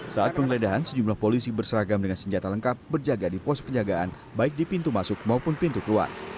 saat penggeledahan sejumlah polisi berseragam dengan senjata lengkap berjaga di pos penjagaan baik di pintu masuk maupun pintu keluar